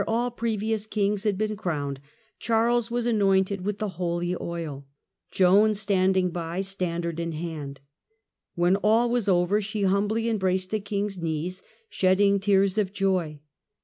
• crovvned at had been crowned, Charles was anointed with the holy frth July '^^^' Joa i^ standing by, standard in hand. When all was 1129 Qver she humbly embraced the King's knees, shedding tears of joy.